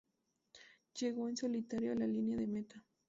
Llegó en solitario a la línea de meta.